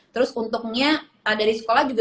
terus untuknya dari sekolah juga